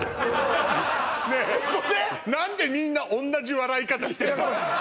何でみんな同じ笑い方してるの？